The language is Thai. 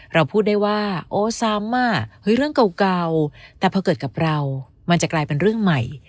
เราพูดได้ว่าโอ้ซ้ำเรื่องเก่าแต่พอเกิดกับเรามันจะกลายเป็นเรื่องใหม่